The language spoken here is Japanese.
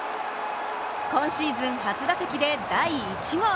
今シーズン初打席だ第１号。